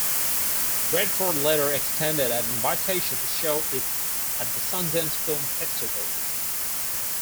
Redford later extended an invitation to show it at the Sundance Film Festival.